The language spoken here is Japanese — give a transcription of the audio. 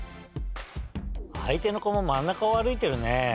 あいての子も真ん中を歩いてるね。